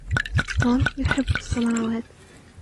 توم يحب السمراوات.